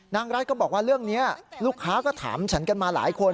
นางรัฐก็บอกว่าเรื่องนี้ลูกค้าก็ถามฉันกันมาหลายคน